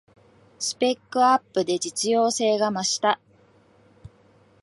スペックアップで実用性が増した